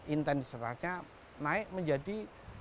intensitasnya naik menjadi dua ratus tujuh puluh